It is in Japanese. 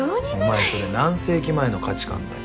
お前それ何世紀前の価値観だよ。